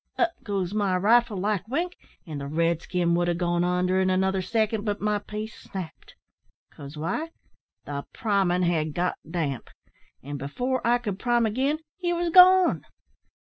Up goes my rifle like wink, and the red skin would ha' gone onder in another second, but my piece snapped cause why? the primin' had got damp; an' afore I could prime agin, he was gone.